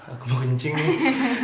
aku mau kencing nih